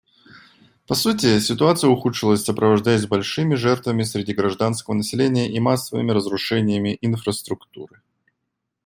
По сути, ситуация ухудшилась, сопровождаясь большими жертвами среди гражданского населения и массовыми разрушениями инфраструктуры.